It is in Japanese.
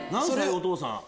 お父さん。